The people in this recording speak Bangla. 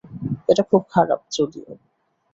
এটা খুব খারাপ, যদিও।